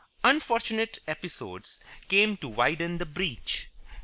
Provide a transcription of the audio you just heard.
Unfortunate episodes came to widen the breach.